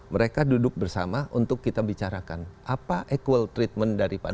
mereka duduk bersama untuk kita bicarakan apa equal treatment daripada